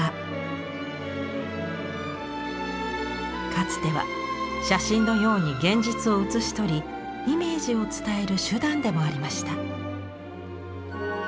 かつては写真のように現実を写し取りイメージを伝える手段でもありました。